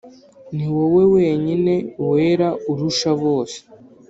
Niwowe wenyine wera urusha bose